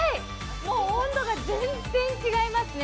もう温度が全然違いますね！